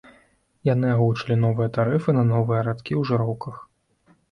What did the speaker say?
Яны агучылі новыя тарыфы на новыя радкі ў жыроўках.